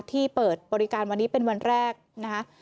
ที่เปิดบริการวันนี้เป็นวันแรกนะคะ